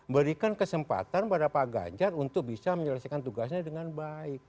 berikan kesempatan pada pak ganjar untuk bisa menyelesaikan tugasnya dengan baik